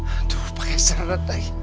aduh pakai serat lagi